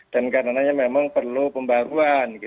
dan karena memang perlu pembaruan